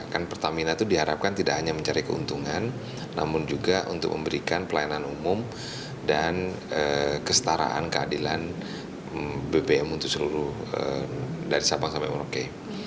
kan pertamina itu diharapkan tidak hanya mencari keuntungan namun juga untuk memberikan pelayanan umum dan kestaraan keadilan bbm untuk seluruh dari sabang sampai merauke